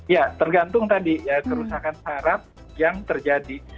ya tergantung tadi ya kerusakan sarap yang terjadi